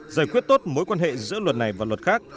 giải quyết tốt mối quan hệ giữa luật này và luật khác